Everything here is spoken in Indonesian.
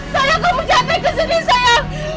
sayang kamu jangan naik kesini sayang